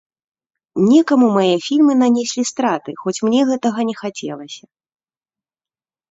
Некаму мае фільмы нанеслі страты, хоць мне гэтага не хацелася.